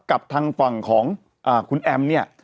กับทางฝั่งของคุณแอมเนี่ย